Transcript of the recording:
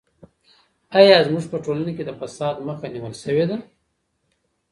ایا زموږ په ټولنه کې د فساد مخه نیول سوې ده؟